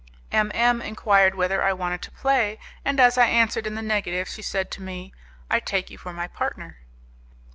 M M enquired whether I wanted to play, and as I answered in the negative she said to me, "I take you for my partner."